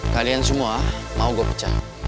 kalian semua mau gue pecah